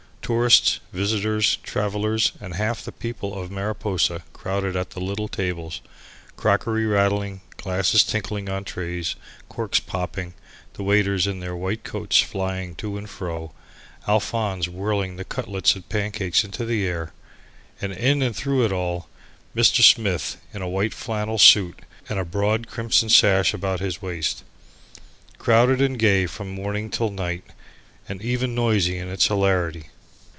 Tourists, visitors, travellers, and half the people of Mariposa crowded at the little tables; crockery rattling, glasses tinkling on trays, corks popping, the waiters in their white coats flying to and fro, Alphonse whirling the cutlets and pancakes into the air, and in and through it all, Mr. Smith, in a white flannel suit and a broad crimson sash about his waist. Crowded and gay from morning to night, and even noisy in its hilarity.